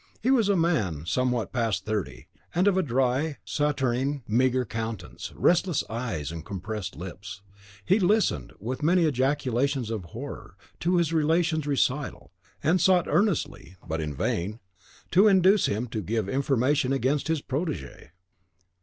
He was a man somewhat past thirty, and of a dry, saturnine, meagre countenance, restless eyes, and compressed lips. He listened, with many ejaculations of horror, to his relation's recital, and sought earnestly, but in vain, to induce him to give information against his protege.